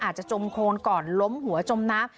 อาจจะจมโคนก่อนล้มหัวจมนัก